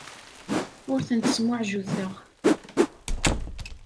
Ur tent-smuɛjuteɣ.